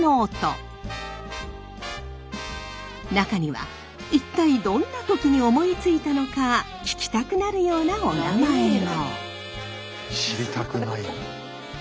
中には一体どんな時に思いついたのか聞きたくなるようなおなまえも。